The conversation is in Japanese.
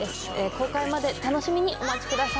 公開まで楽しみにお待ちください。